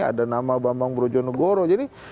ada nama bambang brojonegoro